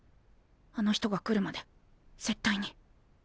あの人が来るまで絶対に。